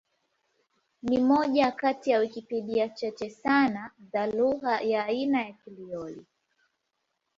Ni moja kati ya Wikipedia chache sana za lugha ya aina ya Krioli.